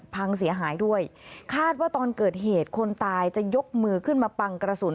พังเสียหายด้วยคาดว่าตอนเกิดเหตุคนตายจะยกมือขึ้นมาปังกระสุน